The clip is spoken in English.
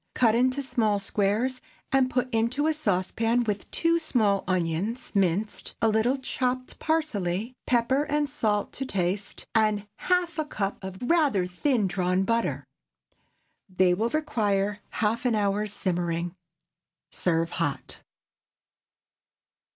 Cut into small squares, and put into a saucepan, with two small onions, minced; a little chopped parsley, pepper and salt to taste, and half a cup of rather thin drawn butter. They will require half an hour's simmering. Serve hot.